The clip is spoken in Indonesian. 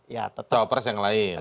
cawa pres yang lain